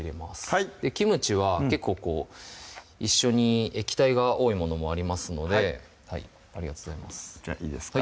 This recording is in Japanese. はいキムチは結構こう一緒に液体が多いものもありますのでありがとうございますじゃあいいですか？